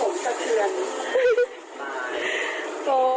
มีสีใหม่นะคะของการสระผม